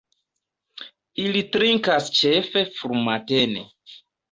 Ili trinkas ĉefe frumatene.